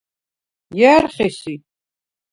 ჲა̈რ ხი სი?